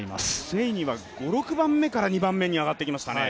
セイニは５６番目から２番目に上がってきました。